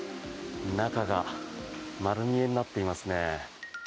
中が丸見えになっていますね。